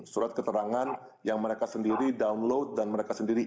surat keterangan yang mereka sendiri download dan mereka sendiri